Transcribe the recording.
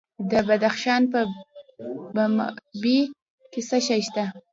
د بدخشان په مایمي کې څه شی شته؟